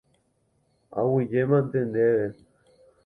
Aguyjémante ndéve.